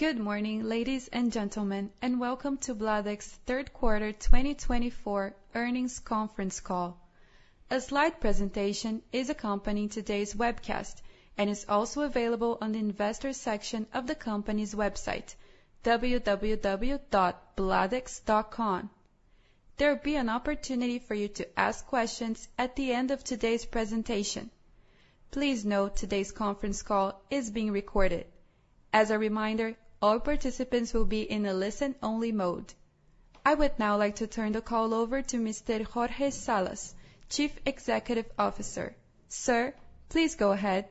Good morning, ladies and gentlemen, and welcome to Bladex's Q3 2024 earnings conference call. A slide presentation is accompanying today's webcast and is also available on the Investor section of the company's website, www.bladex.com. There will be an opportunity for you to ask questions at the end of today's presentation. Please note today's conference call is being recorded. As a reminder, all participants will be in a listen-only mode. I would now like to turn the call over to Mr. Jorge Salas, Chief Executive Officer. Sir, please go ahead.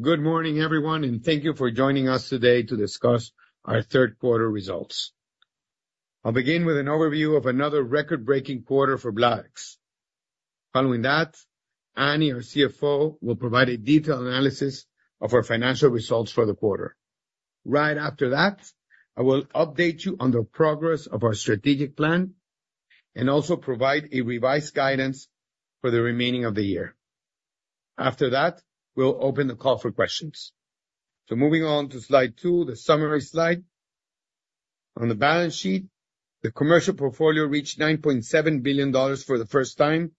Good morning, everyone, and thank you for joining us today to discuss our Q3 results. I'll begin with an overview of another record-breaking quarter for Bladex. Following that, Annette our CFO, will provide a detailed analysis of our financial results for the quarter. Right after that, I will update you on the progress of our strategic plan and also provide revised guidance for the remaining of the year. After that, we'll open the call for questions. So, moving on to slide two, the summary slide. On the balance sheet, the commercial portfolio reached $9.7 billion for the first time,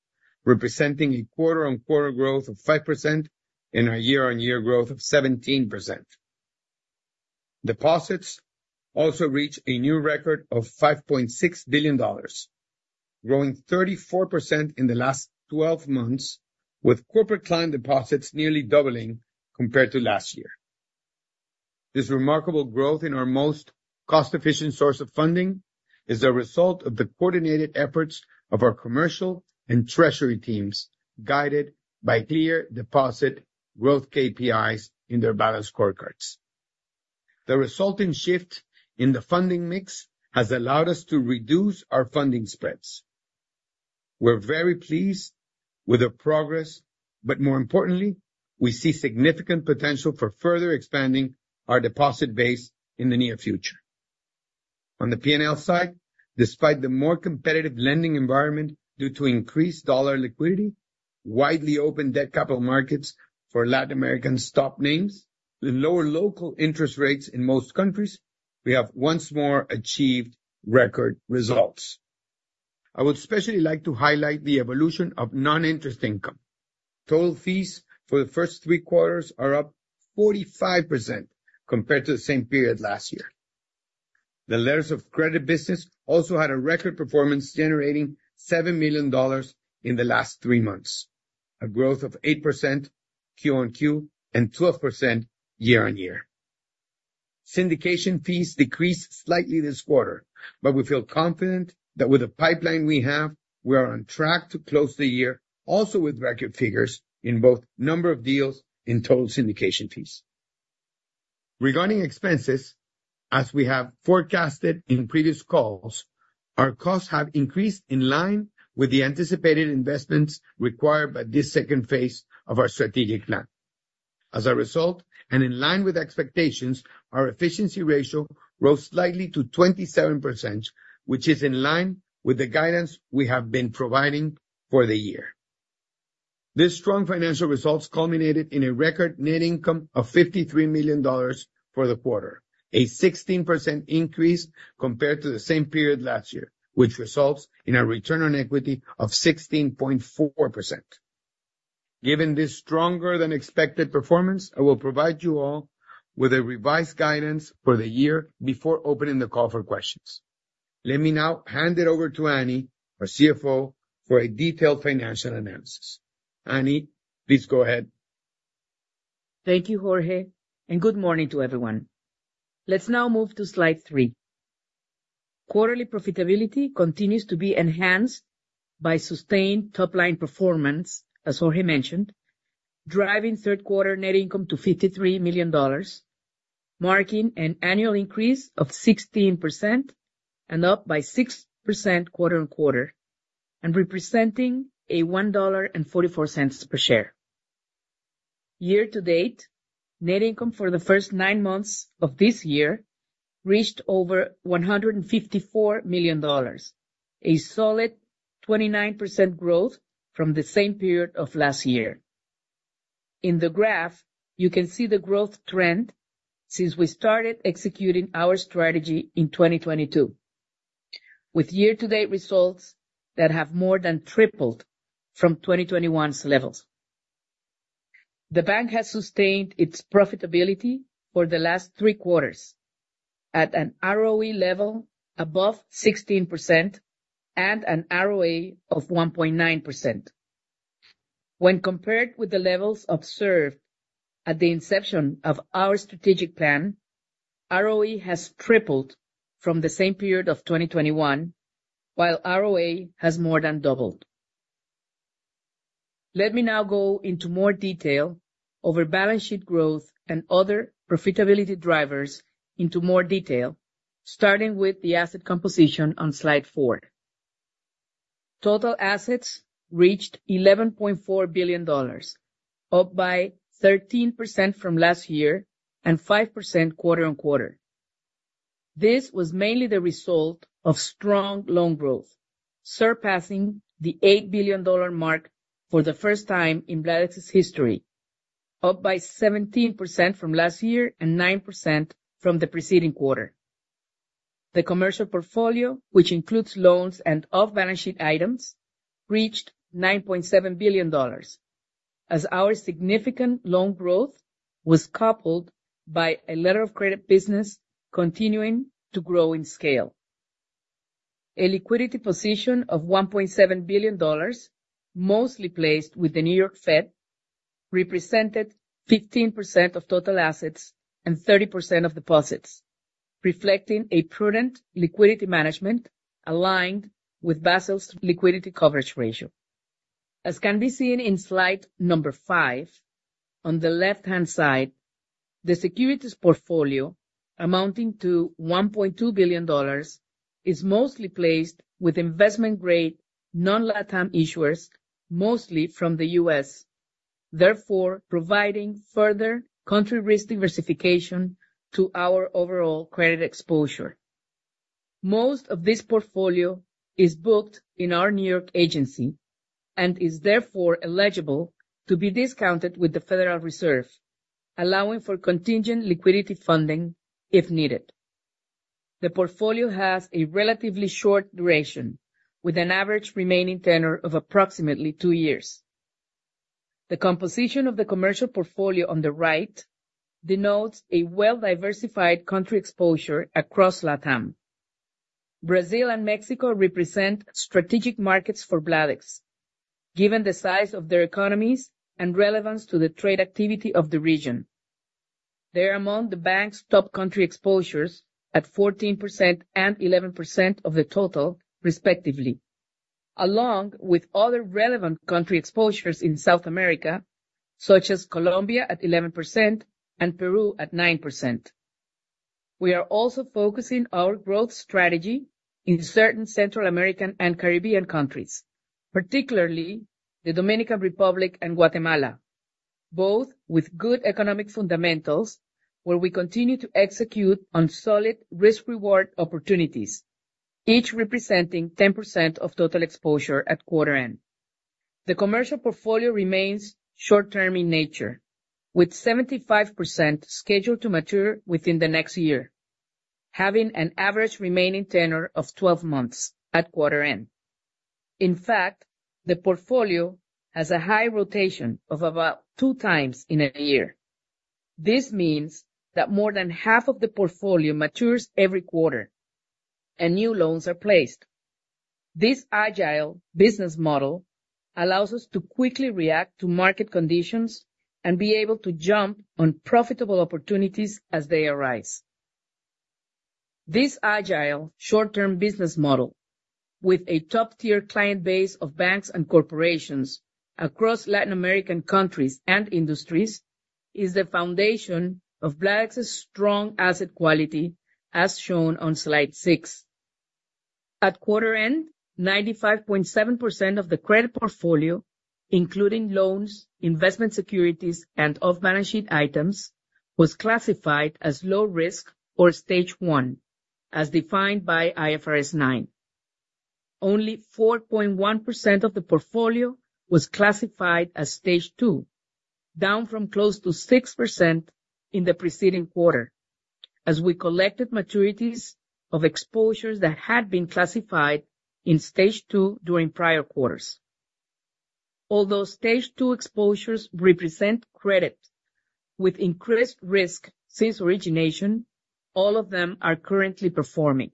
representing a quarter-on-quarter growth of 5% and a year-on-year growth of 17%. Deposits also reached a new record of $5.6 billion, growing 34% in the last 12 months, with corporate client deposits nearly doubling compared to last year. This remarkable growth in our most cost-efficient source of funding is the result of the coordinated efforts of our commercial and treasury teams, guided by clear deposit growth KPIs in their Balanced Scorecards. The resulting shift in the funding mix has allowed us to reduce our funding spreads. We're very pleased with the progress, but more importantly, we see significant potential for further expanding our deposit base in the near future. On the P&L side, despite the more competitive lending environment due to increased dollar liquidity, widely open debt capital markets for Latin American sovereign names, and lower local interest rates in most countries, we have once more achieved record results. I would especially like to highlight the evolution of non-interest income. Total fees for the first three quarters are up 45% compared to the same period last year. The letters of credit business also had a record performance, generating $7 million in the last three months, a growth of 8% Q on Q and 12% year-on-year. Syndication fees decreased slightly this quarter, but we feel confident that with the pipeline we have, we are on track to close the year also with record figures in both number of deals and total syndication fees. Regarding expenses, as we have forecasted in previous calls, our costs have increased in line with the anticipated investments required by this second phase of our strategic plan. As a result, and in line with expectations, our efficiency ratio rose slightly to 27%, which is in line with the guidance we have been providing for the year. These strong financial results culminated in a record net income of $53 million for the quarter, a 16% increase compared to the same period last year, which results in a return on equity of 16.4%. Given this stronger-than-expected performance, I will provide you all with a revised guidance for the year before opening the call for questions. Let me now hand it over to Annette, our CFO, for a detailed financial analysis. Annie, please go ahead. Thank you, Jorge, and good morning to everyone. Let's now move to slide three. Quarterly profitability continues to be enhanced by sustained top-line performance, as Jorge mentioned, driving Q3 net income to $53 million, marking an annual increase of 16% and up by 6% quarter on quarter, and representing a $1.44 per share. Year-to-date, net income for the first nine months of this year reached over $154 million, a solid 29% growth from the same period of last year. In the graph, you can see the growth trend since we started executing our strategy in 2022, with year-to-date results that have more than tripled from 2021's levels. The bank has sustained its profitability for the last three quarters at an ROE level above 16% and an ROA of 1.9%. When compared with the levels observed at the inception of our strategic plan, ROE has tripled from the same period of 2021, while ROA has more than doubled. Let me now go into more detail over balance sheet growth and other profitability drivers, starting with the asset composition on slide four. Total assets reached $11.4 billion, up by 13% from last year and 5% quarter on quarter. This was mainly the result of strong loan growth, surpassing the $8 billion mark for the first time in Bladex's history, up by 17% from last year and 9% from the preceding quarter. The commercial portfolio, which includes loans and off-balance sheet items, reached $9.7 billion, as our significant loan growth was coupled by a letter of credit business continuing to grow in scale. A liquidity position of $1.7 billion, mostly placed with the New York Fed, represented 15% of total assets and 30% of deposits, reflecting a prudent liquidity management aligned with Basel's liquidity coverage ratio. As can be seen in slide number five, on the left-hand side, the securities portfolio, amounting to $1.2 billion, is mostly placed with investment-grade non-LATAM issuers, mostly from the U.S., therefore providing further country-risk diversification to our overall credit exposure. Most of this portfolio is booked in our New York agency and is therefore eligible to be discounted with the Federal Reserve, allowing for contingent liquidity funding if needed. The portfolio has a relatively short duration, with an average remaining tenor of approximately two years. The composition of the commercial portfolio on the right denotes a well-diversified country exposure across LATAM. Brazil and Mexico represent strategic markets for Bladex, given the size of their economies and relevance to the trade activity of the region. They are among the bank's top country exposures at 14% and 11% of the total, respectively, along with other relevant country exposures in South America, such as Colombia at 11% and Peru at 9%. We are also focusing our growth strategy in certain Central American and Caribbean countries, particularly the Dominican Republic and Guatemala, both with good economic fundamentals, where we continue to execute on solid risk-reward opportunities, each representing 10% of total exposure at quarter end. The commercial portfolio remains short-term in nature, with 75% scheduled to mature within the next year, having an average remaining tenor of 12 months at quarter end. In fact, the portfolio has a high rotation of about two times in a year. This means that more than half of the portfolio matures every quarter, and new loans are placed. This agile business model allows us to quickly react to market conditions and be able to jump on profitable opportunities as they arise. This agile short-term business model, with a top-tier client base of banks and corporations across Latin American countries and industries, is the foundation of BLADEX's strong asset quality, as shown on slide six. At quarter end, 95.7% of the credit portfolio, including loans, investment securities, and off-balance sheet items, was classified as low risk or stage 1, as defined by IFRS 9. Only 4.1% of the portfolio was classified as stage 2, down from close to 6% in the preceding quarter, as we collected maturities of exposures that had been classified in stage two during prior quarters. Although Stage 2 exposures represent credit with increased risk since origination, all of them are currently performing.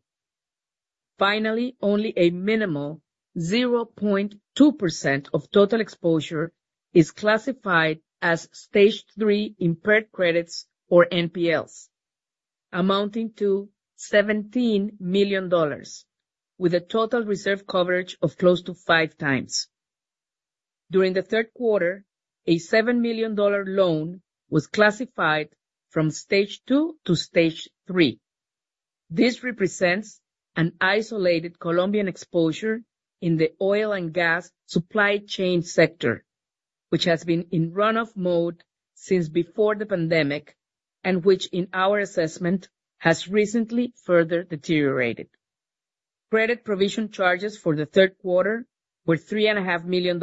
Finally, only a minimal 0.2% of total exposure is classified as Stage 3 impaired credits, or NPLs, amounting to $17 million, with a total reserve coverage of close to five times. During the third quarter, a $7 million loan was classified from Stage 2 to Stage 3. This represents an isolated Colombian exposure in the oil and gas supply chain sector, which has been in runoff mode since before the pandemic and which, in our assessment, has recently further deteriorated. Credit provision charges for the third quarter were $3.5 million,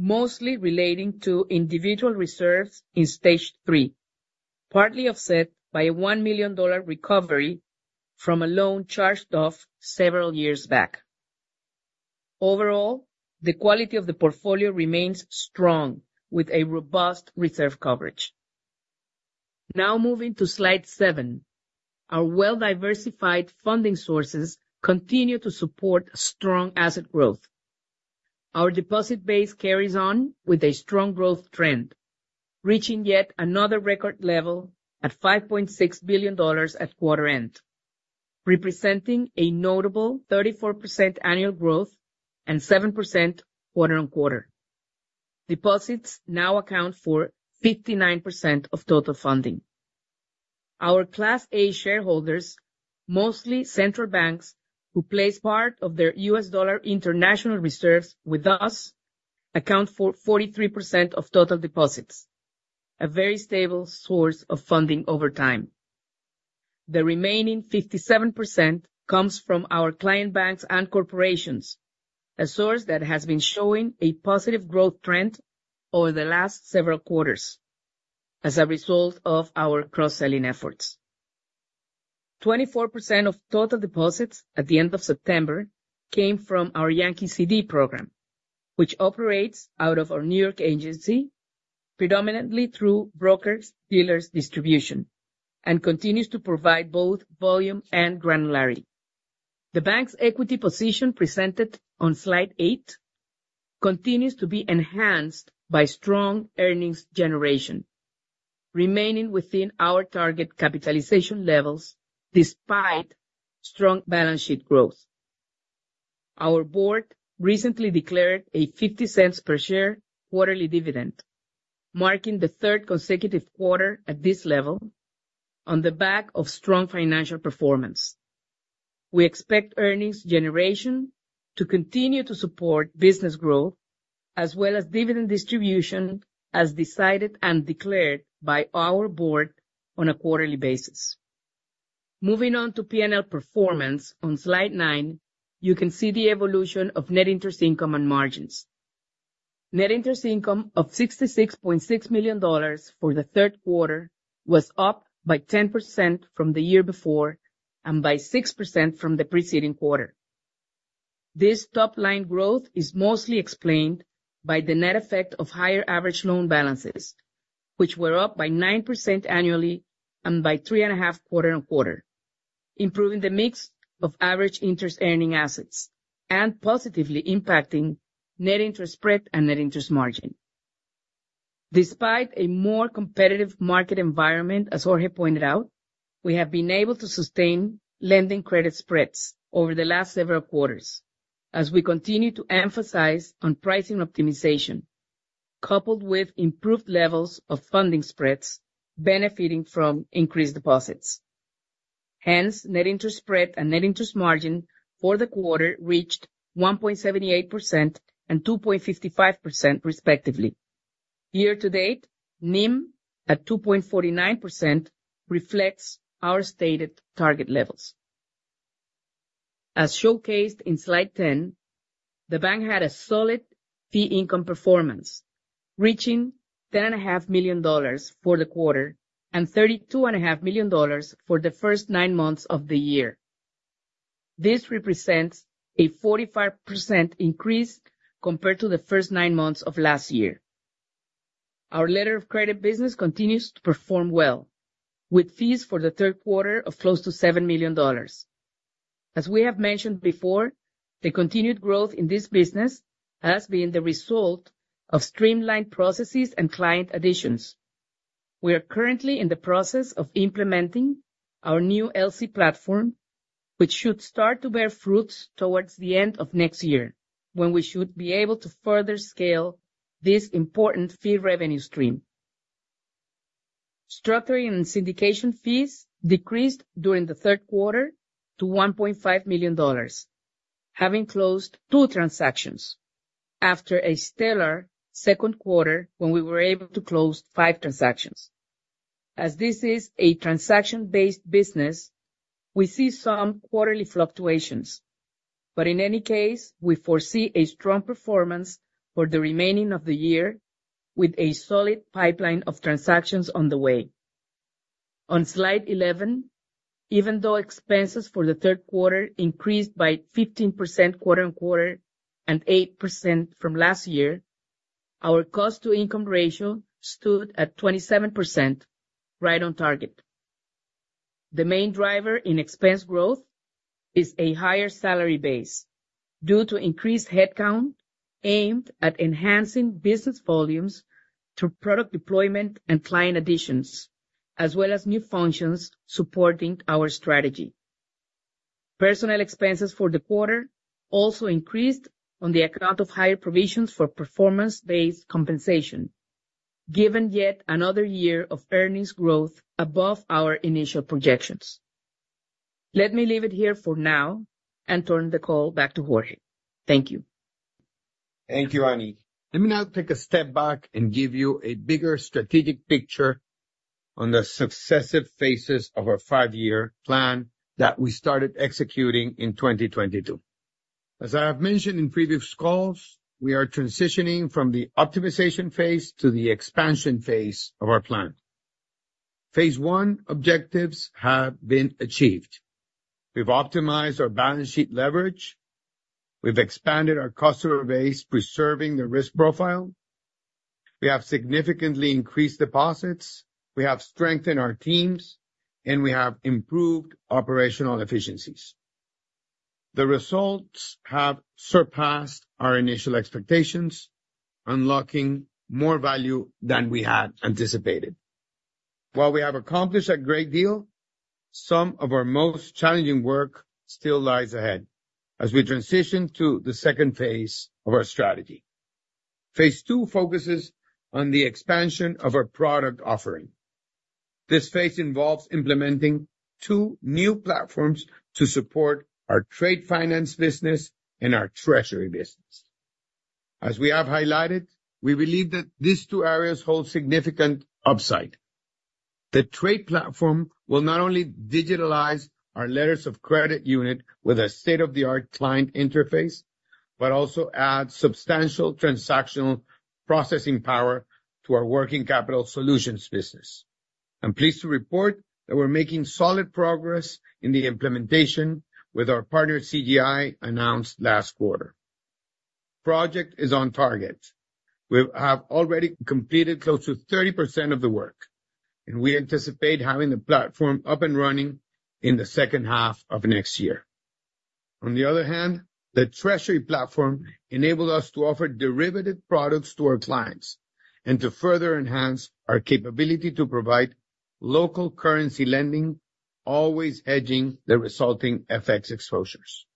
mostly relating to individual reserves in Stage 3, partly offset by a $1 million recovery from a loan charged off several years back. Overall, the quality of the portfolio remains strong, with a robust reserve coverage. Now moving to slide seven, our well-diversified funding sources continue to support strong asset growth. Our deposit base carries on with a strong growth trend, reaching yet another record level at $5.6 billion at quarter end, representing a notable 34% annual growth and 7% quarter on quarter. Deposits now account for 59% of total funding. Our Class A shareholders, mostly central banks who place part of their U.S. dollar international reserves with us, account for 43% of total deposits, a very stable source of funding over time. The remaining 57% comes from our client banks and corporations, a source that has been showing a positive growth trend over the last several quarters as a result of our cross-selling efforts. 24% of total deposits at the end of September came from our Yankee CD program, which operates out of our New York agency, predominantly through broker-dealers distribution, and continues to provide both volume and granularity. The bank's equity position presented on slide eight continues to be enhanced by strong earnings generation, remaining within our target capitalization levels despite strong balance sheet growth. Our board recently declared a $0.50 per share quarterly dividend, marking the third consecutive quarter at this level on the back of strong financial performance. We expect earnings generation to continue to support business growth, as well as dividend distribution, as decided and declared by our board on a quarterly basis. Moving on to P&L performance, on slide nine, you can see the evolution of net interest income and margins. Net interest income of $66.6 million for the third quarter was up by 10% from the year before and by 6% from the preceding quarter. This top-line growth is mostly explained by the net effect of higher average loan balances, which were up by 9% annually and by 3.5% quarter on quarter, improving the mix of average interest-earning assets and positively impacting net interest spread and net interest margin. Despite a more competitive market environment, as Jorge pointed out, we have been able to sustain lending credit spreads over the last several quarters, as we continue to emphasize on pricing optimization, coupled with improved levels of funding spreads benefiting from increased deposits. Hence, net interest spread and net interest margin for the quarter reached 1.78% and 2.55%, respectively. Year-to-date, NIM at 2.49% reflects our stated target levels. As showcased in slide 10, the bank had a solid fee income performance, reaching $10.5 million for the quarter and $32.5 million for the first nine months of the year. This represents a 45% increase compared to the first nine months of last year. Our letter of credit business continues to perform well, with fees for the third quarter of close to $7 million. As we have mentioned before, the continued growth in this business has been the result of streamlined processes and client additions. We are currently in the process of implementing our new LC platform, which should start to bear fruits towards the end of next year, when we should be able to further scale this important fee revenue stream. Structuring and syndication fees decreased during the third quarter to $1.5 million, having closed two transactions after a stellar second quarter when we were able to close five transactions. As this is a transaction-based business, we see some quarterly fluctuations, but in any case, we foresee a strong performance for the remaining of the year, with a solid pipeline of transactions on the way. On slide 11, even though expenses for the third quarter increased by 15% quarter on quarter and 8% from last year, our cost-to-income ratio stood at 27%, right on target. The main driver in expense growth is a higher salary base due to increased headcount aimed at enhancing business volumes through product deployment and client additions, as well as new functions supporting our strategy. Personnel expenses for the quarter also increased on account of higher provisions for performance-based compensation, given yet another year of earnings growth above our initial projections. Let me leave it here for now and turn the call back to Jorge. Thank you. Thank you, Annie. Let me now take a step back and give you a bigger strategic picture on the successive phases of our five-year plan that we started executing in 2022. As I have mentioned in previous calls, we are transitioning from the optimization phase to the expansion phase of our plan. Phase one objectives have been achieved. We've optimized our balance sheet leverage. We've expanded our customer base, preserving the risk profile. We have significantly increased deposits. We have strengthened our teams, and we have improved operational efficiencies. The results have surpassed our initial expectations, unlocking more value than we had anticipated. While we have accomplished a great deal, some of our most challenging work still lies ahead as we transition to the second phase of our strategy. Phase two focuses on the expansion of our product offering. This phase involves implementing two new platforms to support our trade finance business and our treasury business. As we have highlighted, we believe that these two areas hold significant upside. The trade platform will not only digitalize our letters of credit unit with a state-of-the-art client interface, but also add substantial transactional processing power to our working capital solutions business. I'm pleased to report that we're making solid progress in the implementation with our partner CGI announced last quarter. The project is on target. We have already completed close to 30% of the work, and we anticipate having the platform up and running in the second half of next year. On the other hand, the treasury platform enabled us to offer derivative products to our clients and to further enhance our capability to provide local currency lending, always hedging the resulting FX exposures.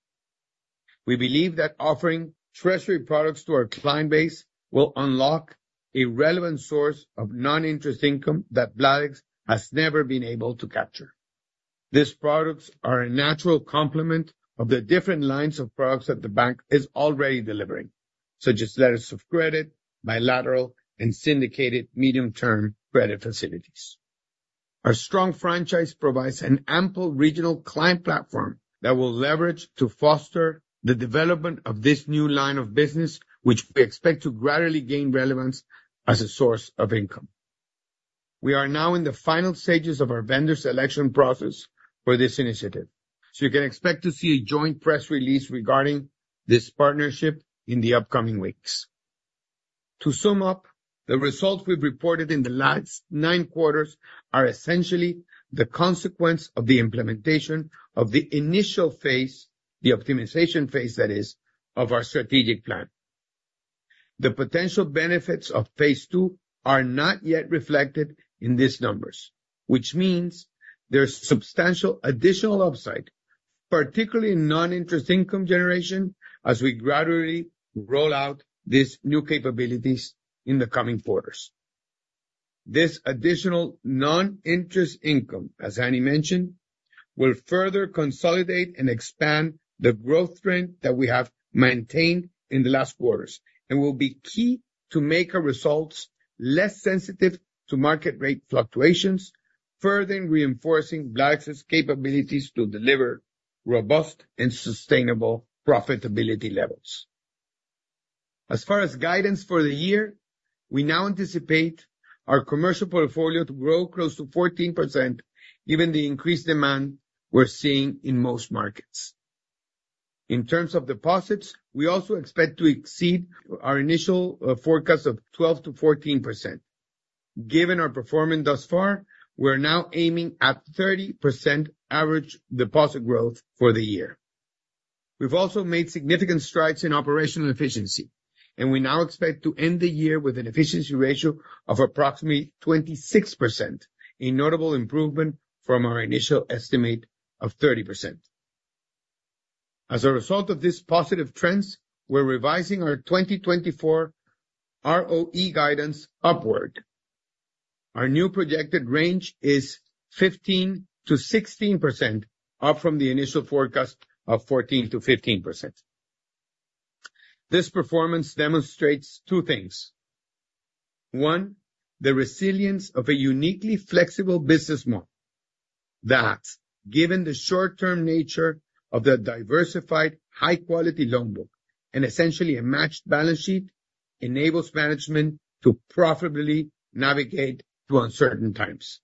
We believe that offering treasury products to our client base will unlock a relevant source of non-interest income that Bladex has never been able to capture. These products are a natural complement of the different lines of products that the bank is already delivering, such as letters of credit, bilateral, and syndicated medium-term credit facilities. Our strong franchise provides an ample regional client platform that we'll leverage to foster the development of this new line of business, which we expect to gradually gain relevance as a source of income. We are now in the final stages of our vendor selection process for this initiative, so you can expect to see a joint press release regarding this partnership in the upcoming weeks. To sum up, the results we've reported in the last nine quarters are essentially the consequence of the implementation of the initial phase, the optimization phase, that is, of our strategic plan. The potential benefits of phase two are not yet reflected in these numbers, which means there's substantial additional upside, particularly in non-interest income generation, as we gradually roll out these new capabilities in the coming quarters. This additional non-interest income, as Annie mentioned, will further consolidate and expand the growth trend that we have maintained in the last quarters and will be key to make our results less sensitive to market rate fluctuations, further reinforcing Bladex's capabilities to deliver robust and sustainable profitability levels. As far as guidance for the year, we now anticipate our commercial portfolio to grow close to 14%, given the increased demand we're seeing in most markets. In terms of deposits, we also expect to exceed our initial forecast of 12%-14%. Given our performance thus far, we're now aiming at 30% average deposit growth for the year. We've also made significant strides in operational efficiency, and we now expect to end the year with an efficiency ratio of approximately 26%, a notable improvement from our initial estimate of 30%. As a result of these positive trends, we're revising our 2024 ROE guidance upward. Our new projected range is 15%-16%, up from the initial forecast of 14%-15%. This performance demonstrates two things. One, the resilience of a uniquely flexible business model that, given the short-term nature of the diversified, high-quality loan book and essentially a matched balance sheet, enables management to profitably navigate through uncertain times.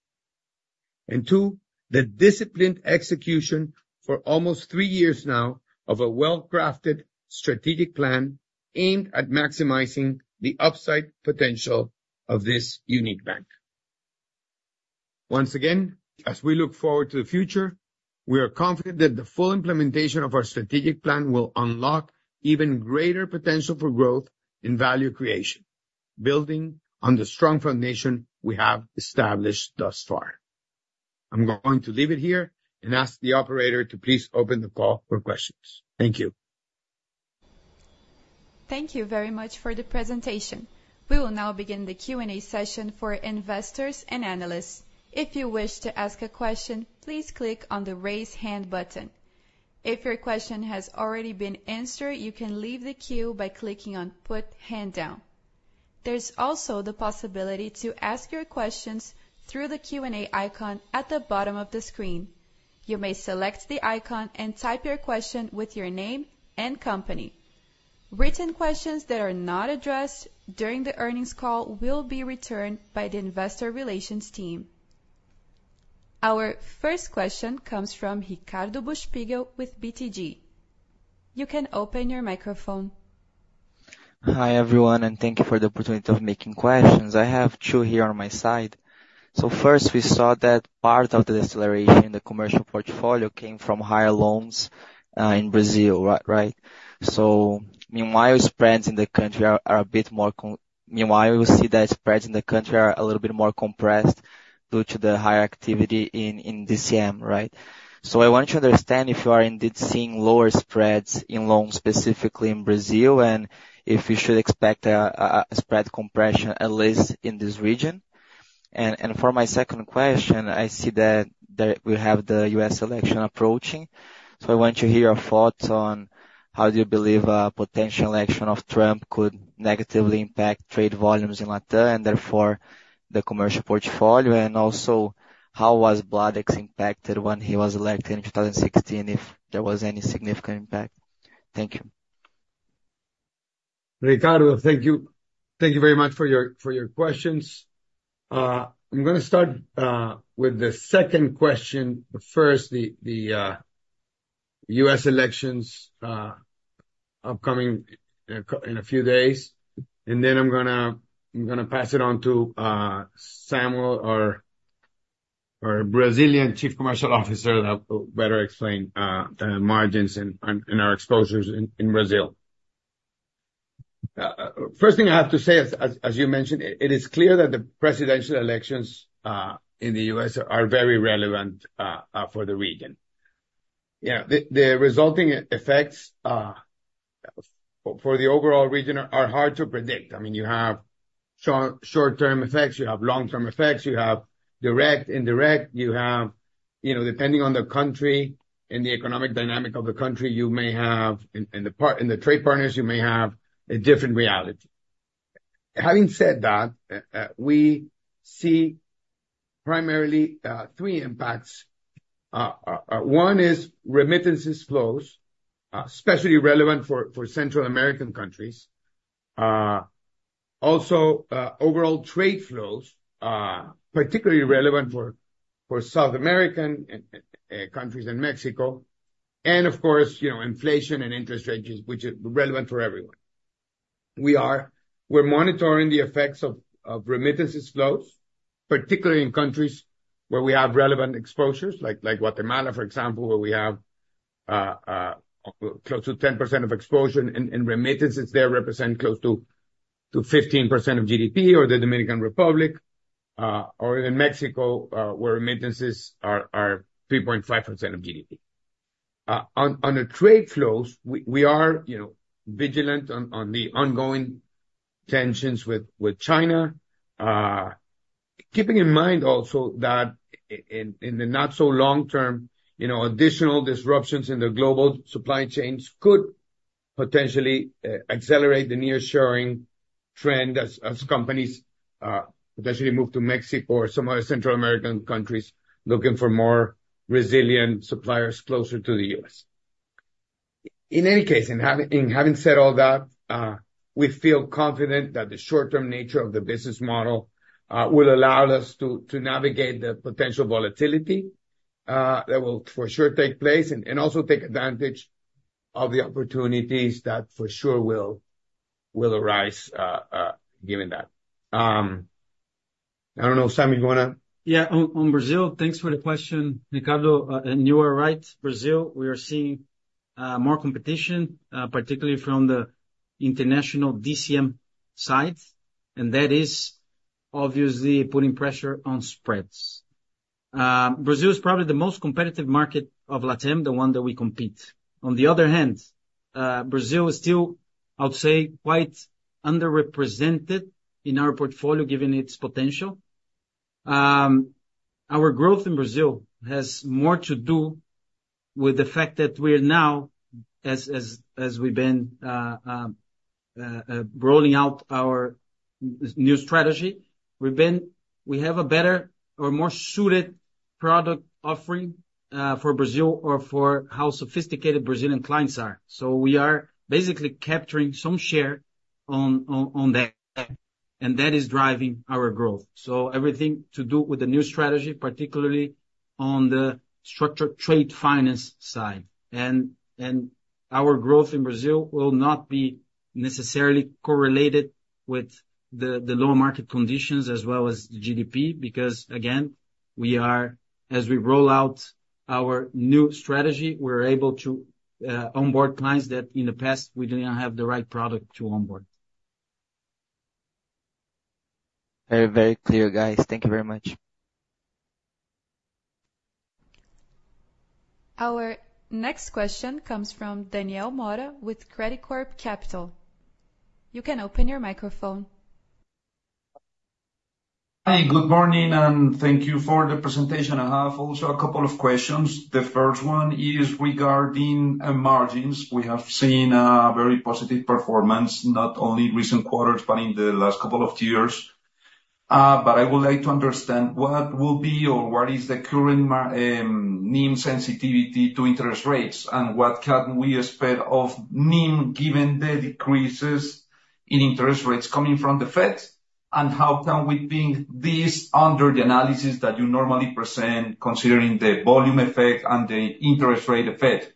And two, the disciplined execution for almost three years now of a well-crafted strategic plan aimed at maximizing the upside potential of this unique bank. Once again, as we look forward to the future, we are confident that the full implementation of our strategic plan will unlock even greater potential for growth in value creation, building on the strong foundation we have established thus far. I'm going to leave it here and ask the operator to please open the call for questions. Thank you. Thank you very much for the presentation. We will now begin the Q&A session for investors and analysts. If you wish to ask a question, please click on the raise hand button. If your question has already been answered, you can leave the queue by clicking on put hand down. There's also the possibility to ask your questions through the Q&A icon at the bottom of the screen. You may select the icon and type your question with your name and company. Written questions that are not addressed during the earnings call will be returned by the investor relations team. Our first question comes from Ricardo Buchpiguel with BTG. You can open your microphone. Hi everyone, and thank you for the opportunity of making questions. I have Chu here on my side. So first, we saw that part of the deceleration in the commercial portfolio came from higher loans in Brazil, right? So meanwhile, you see that spreads in the country are a little bit more compressed due to the higher activity in DCM, right? So I want to understand if you are indeed seeing lower spreads in loans, specifically in Brazil, and if you should expect a spread compression, at least in this region. And for my second question, I see that we have the U.S. election approaching. So I want to hear your thoughts on how you believe a potential election of Trump could negatively impact trade volumes in LatAm and therefore the commercial portfolio, and also how was Bladex impacted when he was elected in 2016, if there was any significant impact. Thank you. Ricardo, thank you. Thank you very much for your questions. I'm going to start with the second question. First, the U.S. Elections upcoming in a few days, and then I'm going to pass it on to Samuel, our Brazilian Chief Commercial Officer, that will better explain the margins and our exposures in Brazil. First thing I have to say, as you mentioned, it is clear that the presidential elections in the U.S. are very relevant for the region. The resulting effects for the overall region are hard to predict. I mean, you have short-term effects, you have long-term effects, you have direct, indirect, you have, depending on the country and the economic dynamic of the country, you may have in the trade partners, you may have a different reality. Having said that, we see primarily three impacts. One is remittances flows, especially relevant for Central American countries. Also, overall trade flows, particularly relevant for South American countries and Mexico. And of course, inflation and interest rates, which are relevant for everyone. We're monitoring the effects of remittances flows, particularly in countries where we have relevant exposures, like Guatemala, for example, where we have close to 10% of exposure, and remittances there represent close to 15% of GDP, or the Dominican Republic, or in Mexico, where remittances are 3.5% of GDP. On the trade flows, we are vigilant on the ongoing tensions with China, keeping in mind also that in the not-so-long term, additional disruptions in the global supply chains could potentially accelerate the near-shoring trend as companies potentially move to Mexico or some other Central American countries looking for more resilient suppliers closer to the U.S. In any case, in having said all that, we feel confident that the short-term nature of the business model will allow us to navigate the potential volatility that will for sure take place and also take advantage of the opportunities that for sure will arise given that. I don't know, Sam, you want to? Yeah, on Brazil, thanks for the question, Ricardo. And you are right, Brazil, we are seeing more competition, particularly from the international DCM side, and that is obviously putting pressure on spreads. Brazil is probably the most competitive market of LatAM, the one that we compete. On the other hand, Brazil is still, I would say, quite underrepresented in our portfolio, given its potential. Our growth in Brazil has more to do with the fact that we're now, as we've been rolling out our new strategy, we have a better or more suited product offering for Brazil or for how sophisticated Brazilian clients are, so we are basically capturing some share on that, and that is driving our growth, so everything to do with the new strategy, particularly on the structured trade finance side, and our growth in Brazil will not be necessarily correlated with the local market conditions as well as the GDP because, again, as we roll out our new strategy, we're able to onboard clients that in the past we didn't have the right product to onboard. Very, very clear, guys. Thank you very much. Our next question comes from Daniela Mora with Credicorp Capital. You can open your microphone. Hi, good morning, and thank you for the presentation. I have also a couple of questions. The first one is regarding margins. We have seen a very positive performance, not only in recent quarters, but in the last couple of years. But I would like to understand what will be or what is the current NIM sensitivity to interest rates and what can we expect of NIM given the decreases in interest rates coming from the Fed? And how can we bring this under the analysis that you normally present, considering the volume effect and the interest rate effect?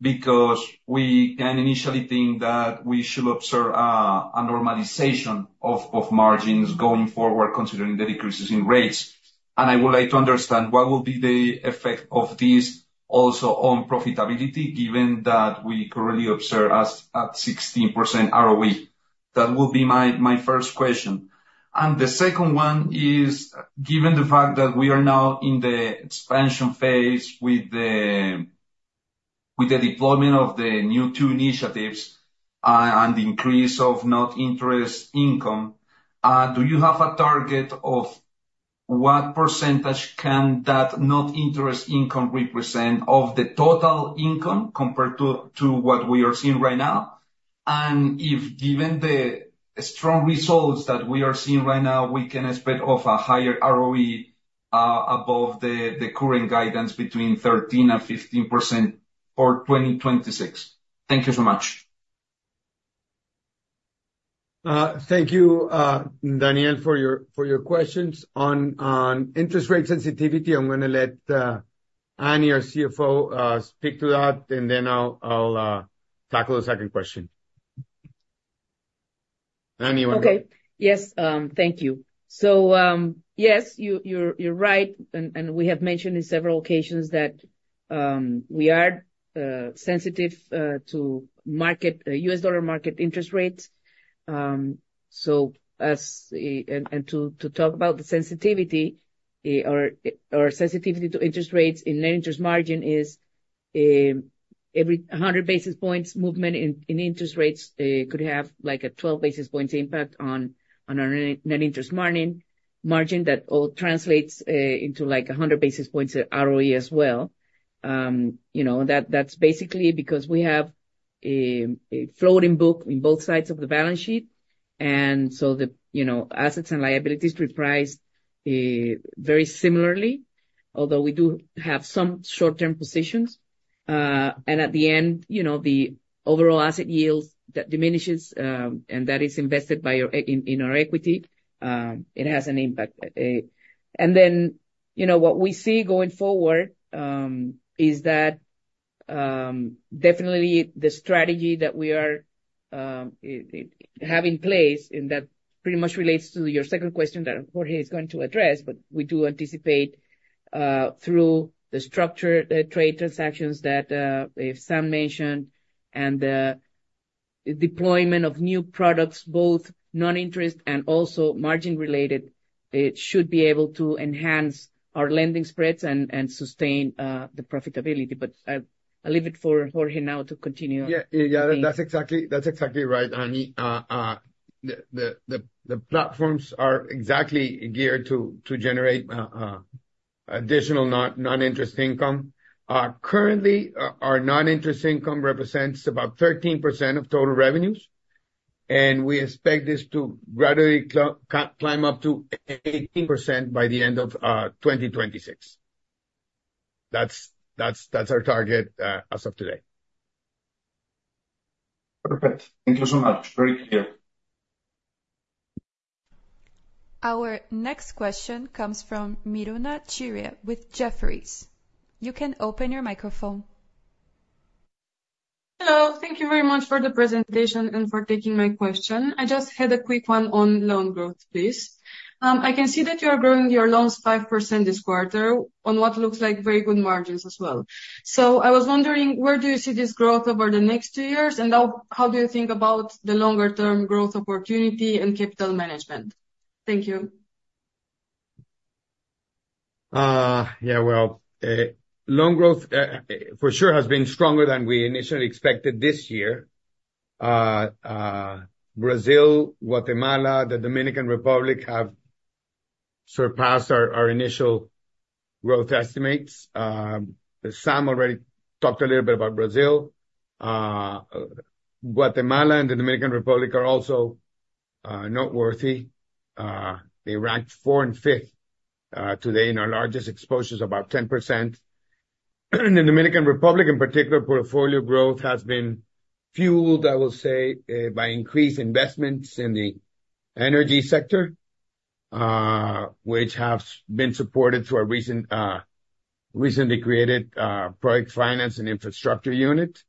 Because we can initially think that we should observe a normalization of margins going forward, considering the decreases in rates. And I would like to understand what will be the effect of this also on profitability, given that we currently observe ROE at 16%. That will be my first question. The second one is, given the fact that we are now in the expansion phase with the deployment of the new two initiatives and the increase of net interest income, do you have a target of what percentage can that net interest income represent of the total income compared to what we are seeing right now? And if given the strong results that we are seeing right now, we can expect a higher ROE above the current guidance between 13% and 15% for 2026. Thank you so much. Thank you, Daniela, for your questions. On interest rate sensitivity, I'm going to let Annie, our CFO, speak to that, and then I'll tackle the second question. Annie, you want to? Okay. Yes, thank you. So yes, you're right. And we have mentioned on several occasions that we are sensitive to U.S. dollar market interest rates. To talk about the sensitivity to interest rates in net interest margin, every 100 basis points movement in interest rates could have like a 12 basis points impact on our net interest margin. That all translates into like 100 basis points of ROE as well. That's basically because we have a floating book in both sides of the balance sheet. So the assets and liabilities reprice very similarly, although we do have some short-term positions. At the end, the overall asset yield that diminishes and that is invested in our equity, it has an impact. Then what we see going forward is that definitely the strategy that we have in place, and that pretty much relates to your second question that Jorge is going to address, but we do anticipate through the structured trade transactions that Sam mentioned and the deployment of new products, both non-interest and also margin-related, should be able to enhance our lending spreads and sustain the profitability. I'll leave it for Jorge now to continue. Yeah, yeah, that's exactly right, Annie. The platforms are exactly geared to generate additional non-interest income. Currently, our non-interest income represents about 13% of total revenues. We expect this to gradually climb up to 18% by the end of 2026. That's our target as of today. Perfect. Thank you so much. Very clear. Our next question comes from Miruna Chirea with Jefferies. You can open your microphone. Hello. Thank you very much for the presentation and for taking my question. I just had a quick one on loan growth, please. I can see that you are growing your loans 5% this quarter on what looks like very good margins as well. So I was wondering, where do you see this growth over the next two years? And how do you think about the longer-term growth opportunity and capital management? Thank you. Yeah, well, loan growth for sure has been stronger than we initially expected this year. Brazil, Guatemala, the Dominican Republic have surpassed our initial growth estimates. Sam already talked a little bit about Brazil. Guatemala and the Dominican Republic are also noteworthy. They ranked fourth and fifth today in our largest exposures, about 10%. The Dominican Republic, in particular, portfolio growth has been fueled, I will say, by increased investments in the energy sector, which has been supported through our recently created project finance and infrastructure unit,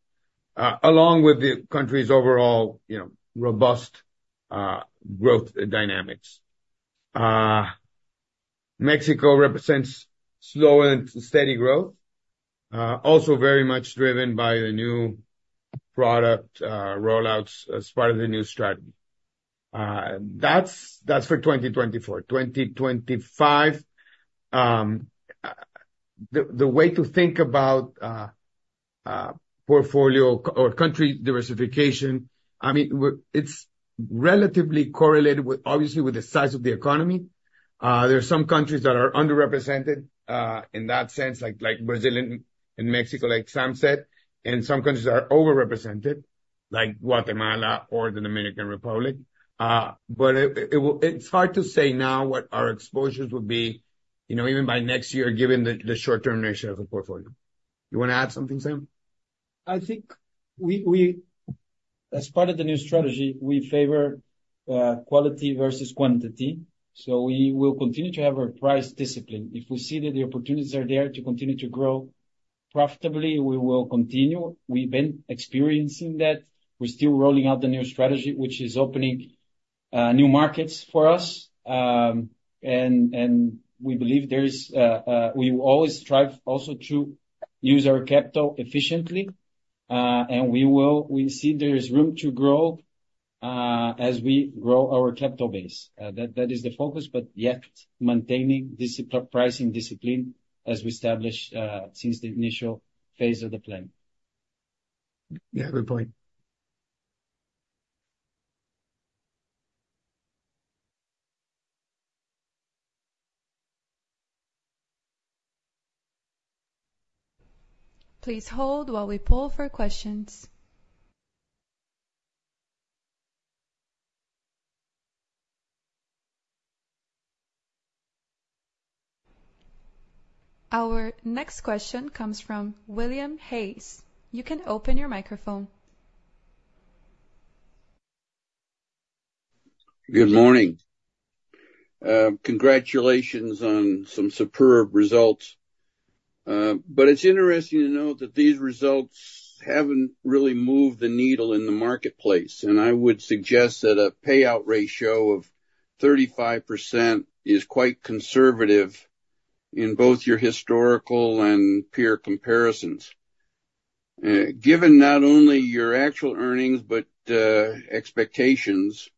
along with the country's overall robust growth dynamics. Mexico represents slow and steady growth, also very much driven by the new product rollouts as part of the new strategy. That's for 2024. 2025, the way to think about portfolio or country diversification, I mean, it's relatively correlated, obviously, with the size of the economy. There are some countries that are underrepresented in that sense, like Brazil and Mexico, like Sam said, and some countries that are overrepresented, like Guatemala or the Dominican Republic. But it's hard to say now what our exposures will be even by next year, given the short-term nature of the portfolio. You want to add something, Sam? I think as part of the new strategy, we favor quality versus quantity. So we will continue to have a pricing discipline. If we see that the opportunities are there to continue to grow profitably, we will continue. We've been experiencing that. We're still rolling out the new strategy, which is opening new markets for us, and we believe we will always strive also to use our capital efficiently, and we see there is room to grow as we grow our capital base. That is the focus, but yet maintaining pricing discipline as we established since the initial phase of the plan. Yeah, good point. Please hold while we poll for questions. Our next question comes from William Hayes. You can open your microphone. Good morning. Congratulations on some superb results, but it's interesting to note that these results haven't really moved the needle in the marketplace. I would suggest that a payout ratio of 35% is quite conservative in both your historical and peer comparisons. Given not only your actual earnings, but expectations,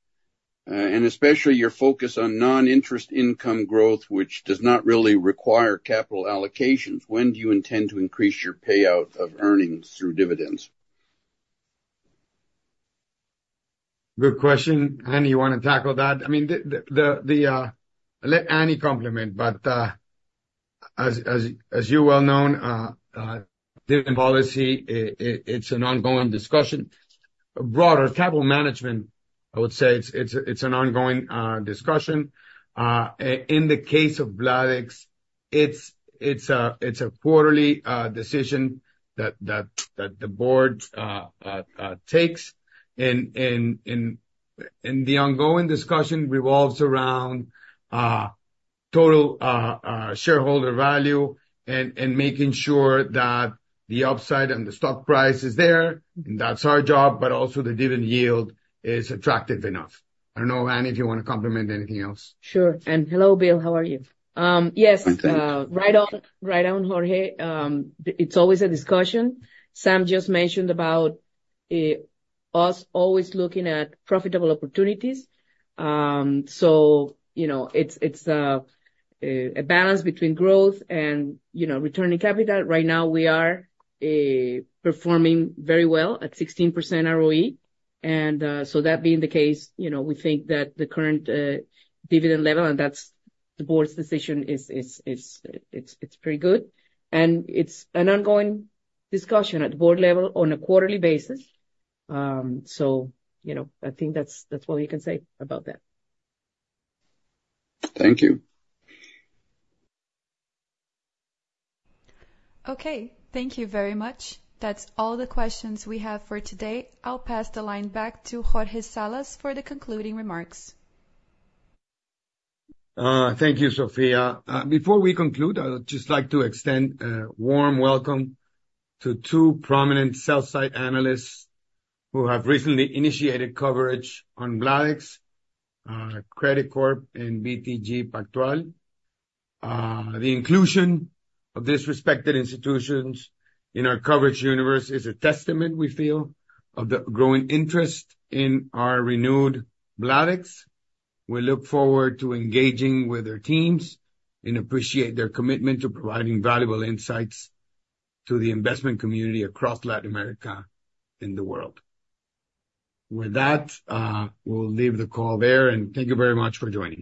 and especially your focus on non-interest income growth, which does not really require capital allocations, when do you intend to increase your payout of earnings through dividends? Good question. Annie, you want to tackle that? I mean, let Annie complement, but as you well know, dividend policy, it's an ongoing discussion. Broader capital management, I would say, it's an ongoing discussion. In the case of Bladex, it's a quarterly decision that the board takes. And the ongoing discussion revolves around total shareholder value and making sure that the upside and the stock price is there. And that's our job, but also the dividend yield is attractive enough. I don't know, Annie, if you want to complement anything else. Sure. And hello, Bill, how are you? Yes. Right on, Jorge. It's always a discussion. Sam just mentioned about us always looking at profitable opportunities. So it's a balance between growth and returning capital. Right now, we are performing very well at 16% ROE. And so that being the case, we think that the current dividend level, and that's the board's decision, it's pretty good. And it's an ongoing discussion at the board level on a quarterly basis. So I think that's what we can say about that. Thank you. Okay. Thank you very much. That's all the questions we have for today. I'll pass the line back to Jorge Salas for the concluding remarks. Thank you, Sophia. Before we conclude, I would just like to extend a warm welcome to two prominent sell-side analysts who have recently initiated coverage on Bladex, Credicorp Capital, and BTG Pactual. The inclusion of these respected institutions in our coverage universe is a testament, we feel, of the growing interest in our renewed Bladex. We look forward to engaging with their teams and appreciate their commitment to providing valuable insights to the investment community across Latin America and the world. With that, we'll leave the call there. And thank you very much for joining.